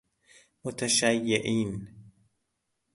متشیعین